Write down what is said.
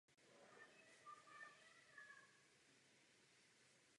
Prvovýrobci mléka proto požadují obchodní politiku založenou na objemu.